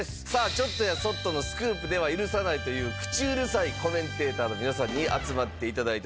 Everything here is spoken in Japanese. ちょっとやそっとのスクープでは許さないという口うるさいコメンテーターの皆さんに集まって頂いております。